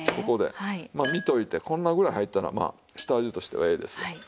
ここでまあ見ておいてこんなぐらい入ったらまあ下味としてはええですわ。